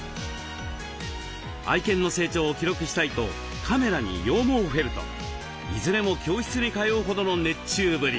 愛犬の成長を記録したいとカメラに羊毛フェルトいずれも教室に通うほどの熱中ぶり。